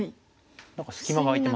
何か隙間が空いてます。